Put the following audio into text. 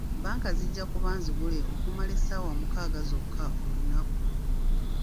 Bbanka zijja kuba nzigule okumala essaawa mukaaga zokka olunaku.